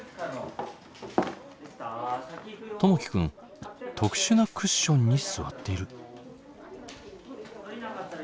友輝君特殊なクッションに座っている。